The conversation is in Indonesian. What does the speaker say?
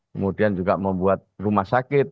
kemudian juga membuat rumah sakit